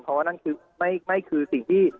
เพราะว่านั่นคือไม่คือสิ่งที่